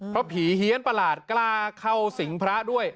เพราะผีเฮียนประหลาดกล้าเข้าสิงพระด้วย